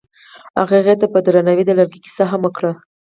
هغه هغې ته په درناوي د لرګی کیسه هم وکړه.